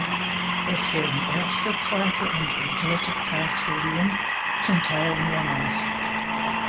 Es werden erste, zweite und dritte Preis verliehen, zum Teil mehrmals.